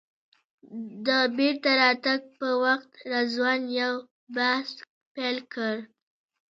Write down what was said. د بېرته راتګ په وخت رضوان یو بحث پیل کړ.